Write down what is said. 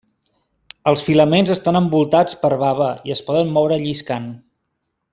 Els filaments estan envoltats per bava i es poden moure lliscant.